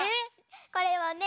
これはね